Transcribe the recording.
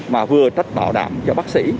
mà vừa trách bảo đảm cho bác sĩ